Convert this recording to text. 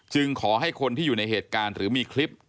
ขอให้คนที่อยู่ในเหตุการณ์หรือมีคลิป